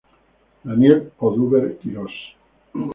Daniel Oduber Quirós.